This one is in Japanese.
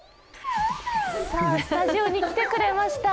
スタジオに来てくれました。